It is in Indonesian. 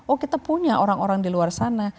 oh kita punya orang orang di luar sana